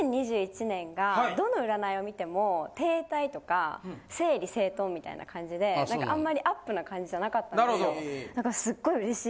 ２０２１年がどの占いを見ても停滞とか整理整頓みたいな感じで何かあんまりアップな感じじゃなかったんですよ。